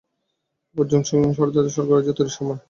এবার জুজুৎসু সর্সারারদের স্বর্গরাজ্য তৈরির সময়।